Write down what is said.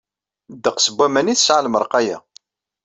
Ddeqs n waman i tesɛa lmerqa-a.